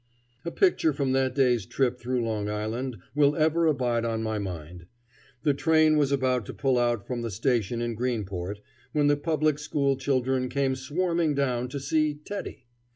A picture from that day's trip through Long Island will ever abide on my mind. The train was about to pull out from the station in Greenport, when the public school children came swarming down to see "Teddy."